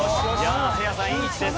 せいやさんいい位置です